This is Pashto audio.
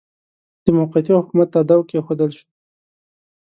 د موقتي حکومت تاداو کښېښودل شو.